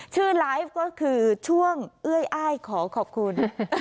ชื่อไลฟ์ก็คือช่วงเอื้อยอ้ายขอขอบคุณ